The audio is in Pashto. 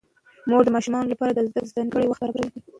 مور د ماشومانو لپاره د زده کړې ځانګړی وخت برابروي